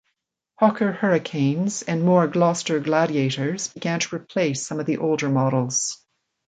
Hawker Hurricanes and more Gloster Gladiators began to replace some of the older models.